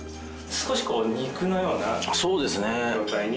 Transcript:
少し肉のような状態に。